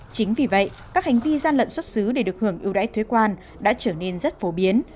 chính vì vậy các hành vi gian lận xuất xứ để được hưởng ưu đãi thuế quan đã trở nên rất phổ biến